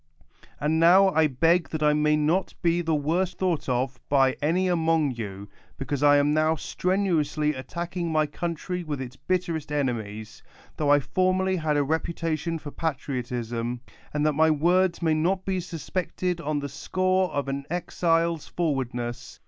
And now I beg that I may not be the worse thought of by any among you, because I am now strenuou.sly attacking my country with its bit terest enemies, tho I formerly had a reputation f(U" patriotism ; and that my words may not be susp( cted on the score of an exile's forwardness.